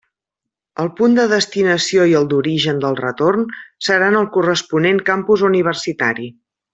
El punt de destinació i el d'origen del retorn seran el corresponent campus universitari.